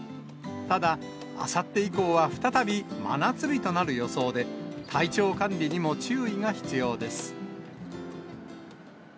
ただ、あさって以降は再び真夏日となる予想で、体調管理にも注意が必要です。